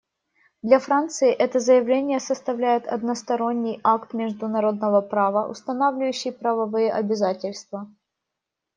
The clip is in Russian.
Для Франции это заявление составляет односторонний акт международного права, устанавливающий правовые обязательства.